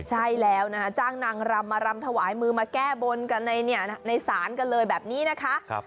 ใช่แล้วนะคะจ้างนางรำมารำถวายมือมาแก้บนกันในศาลกันเลยแบบนี้นะคะ